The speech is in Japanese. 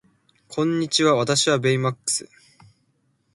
こんにちは私はベイマックス